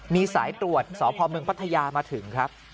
มีสายตรวจสพเมืองพัทยามาถึงครับ